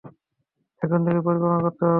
এখন থেকেই পরিকল্পনা করতে হবে।